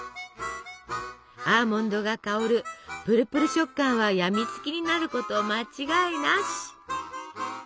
アーモンドが香るぷるぷる食感は病みつきになること間違いなし！